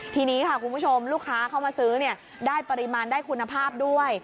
ทีนี้ค่ะคุณผู้ชมลูกค้าเข้ามาซื้อได้ปริมาณได้คุณภาพด้วย